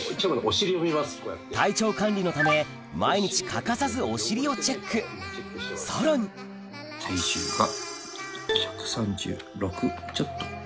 体調管理のため毎日欠かさずお尻をチェックさらに体重が１３６ちょっと。